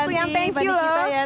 mbak anissa yang thank you loh